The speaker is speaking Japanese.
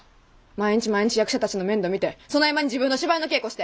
毎日毎日役者たちの面倒見てその合間に自分の芝居の稽古して。